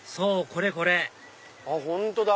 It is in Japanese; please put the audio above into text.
これこれ本当だ！